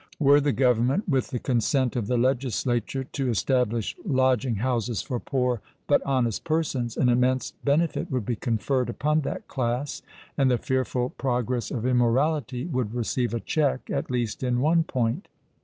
Were the Government, with the consent of the Legislature, to establish lodging houses for poor but honest persons, an immense benefit would be conferred upon that class, and the fearful progress of immorality would receive a check at least in one point.